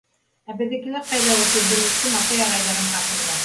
— Ә беҙҙекеләр ҡайҙа ул? — тип белештем апай-ағайҙарым хаҡында.